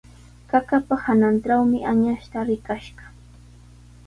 Qaqapa hanantrawmi añasta rikash kaa.